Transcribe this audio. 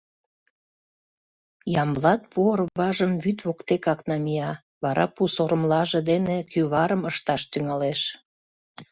Ямблат пу орважым вӱд воктекак намия, вара пу сорымлаже дене кӱварым ышташ тӱҥалеш.